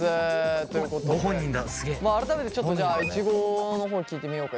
ということで改めてちょっとじゃあいちごの方聞いてみようか。